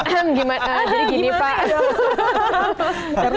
jadi gini pak